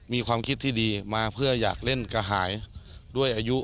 มีความคิดที่ดีมาเพื่ออยากเล่นกระหายด้วยอายุ